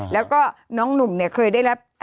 แล้วก็น้องหนุ่มเนี่ยเคยได้รับ